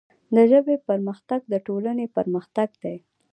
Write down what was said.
د ژبې پرمختګ د ټولنې پرمختګ دی.